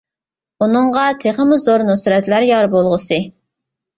ئۇنىڭغا تېخىمۇ زور نۇسرەتلەر يار بولغۇسى.